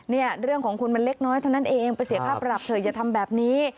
เนี่ยเรื่องของคุณมันเล็กน้อยเท่านั้นเองไปเสียค่าปรับเถอะอย่าทำแบบนี้